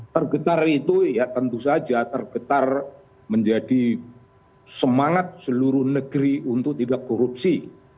tergetar itu ya tentu saja tergetar menjadi semangat seluruh negeri untuk tidak korupsi